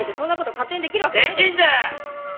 できんだよ！